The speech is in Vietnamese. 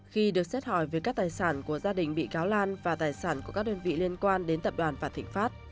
khi được xét hỏi về các tài sản của gia đình bị cáo lan và tài sản của các đơn vị liên quan đến tập đoàn vạn thịnh pháp